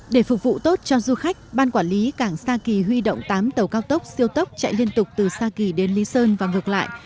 để phục vụ tốt cho du khách ban quản lý cảng sa kỳ huy động tám tàu cao tốc siêu tốc chạy liên tục từ sa kỳ đến lý sơn và ngược lại